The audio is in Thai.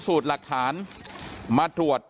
อยู่ดีมาตายแบบเปลือยคาห้องน้ำได้ยังไง